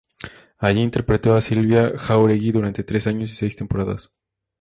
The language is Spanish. Allí interpretó a Sílvia Jauregui durante tres años y seis temporadas.